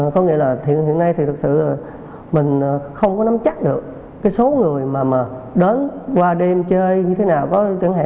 có nghĩa là hiện nay thực sự mình không có nắm chắc được cái số người mà đến qua đêm chơi như thế nào